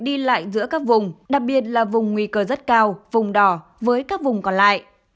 đi lại giữa các vùng đặc biệt là vùng nguy cơ rất cao vùng đỏ với các vùng còn lại